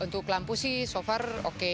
untuk lampu sih so far oke